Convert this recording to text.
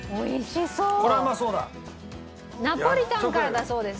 ナポリタンからだそうです。